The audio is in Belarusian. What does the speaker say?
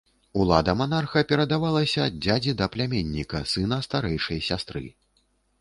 Улада манарха перадавалася ад дзядзі да пляменніка, сына старэйшай сястры.